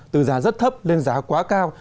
từ giá rất thấp lên giá quá cao